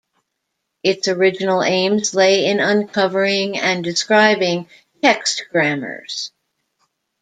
Its original aims lay in uncovering and describing text grammars.